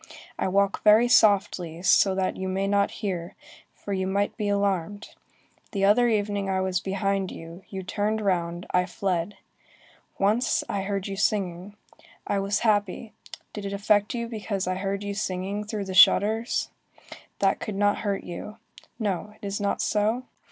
I walk very softly, so that you may not hear, for you might be alarmed. The other evening I was behind you, you turned round, I fled. Once, I heard you singing. I was happy. Did it affect you because I heard you singing through the shutters? That could not hurt you. No, it is not so?